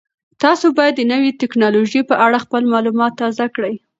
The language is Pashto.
تاسو باید د نوې تکنالوژۍ په اړه خپل معلومات تازه کړئ.